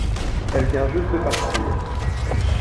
Elle vient juste de partir.